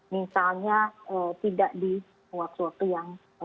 misalnya tidak di waktu waktu yang